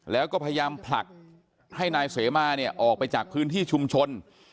แล้วก็พยายามผลักให้นายเสมาเนี่ยออกไปจากพื้นที่ชุมชน